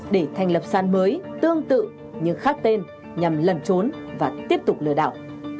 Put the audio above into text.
để thành lập sàn mới tương tự nhưng khác tên nhằm lần trốn và tiếp tục lừa đảo